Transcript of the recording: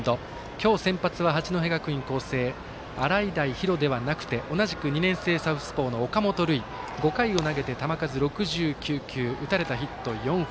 今日、先発は八戸学院光星洗平比呂ではなくて同じく２年生サウスポーの岡本琉奨。５回を投げて球数、６９球打たれたヒット、４本。